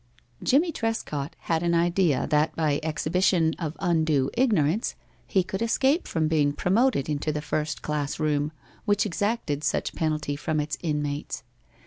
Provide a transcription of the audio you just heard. Jimmie Trescott had an idea that by exhibition of undue ignorance he could escape from being promoted into the first class room which exacted such penalty from its inmates.